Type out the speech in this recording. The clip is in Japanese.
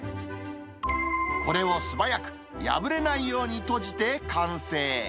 これを素早く破れないように閉じて完成。